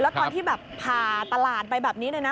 แล้วตอนที่แบบผ่าตลาดไปแบบนี้เลยนะ